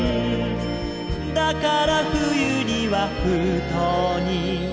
「だから冬には封筒に」